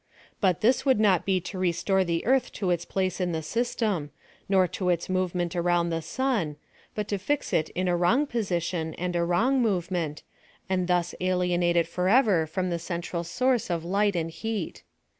But, this would not be to restore the earth to its place in the system, nor to its movement around the cjuu, but to fix it in a wrong position and a wrong movement, and thus alienate it forever from the central source of liii^ht and heat.